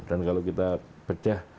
dan kalau kita bedah